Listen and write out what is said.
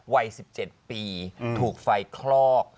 วัย๑๗ปีถูกไฟคลอก